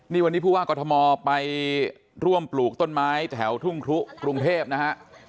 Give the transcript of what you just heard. นี่วันนี้ผู้ว่ากรทมไปร่วมปลูกต้นไม้แถวทุ่งครุกรุงเทพนะฮะ